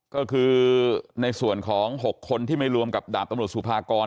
ก็คือในส่วนของ๖คนที่ไม่รวมกับดาบตำรวจสุภากร